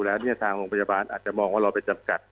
และก็เป็นตามก็ซอยกันมาใดหลังกับตอนนี้ค่ะ